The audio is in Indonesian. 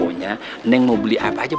pokoknya eneng mau beli apa aja pokoknya